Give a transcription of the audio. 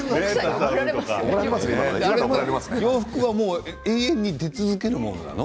洋服は永遠に出続けるものなの？